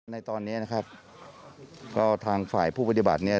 ในตอนนี้นะครับก็ทางฝ่ายผู้ปฏิบัติเนี่ย